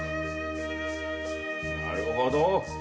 なるほど。